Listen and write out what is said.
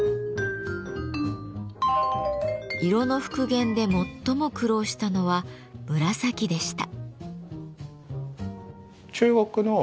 色の復元で最も苦労したのは「紫」でした。